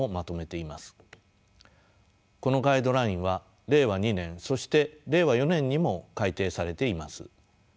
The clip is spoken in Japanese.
このガイドラインは令和２年そして令和４年にも改訂されています。